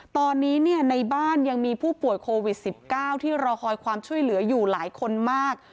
ตอนนี้ในบ้านยังมีผู้ป่วยโควิด๑๙ที่รอคอยความช่วยเหลืออยู่หลายคนมาก